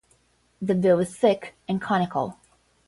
The bill is thick and conical.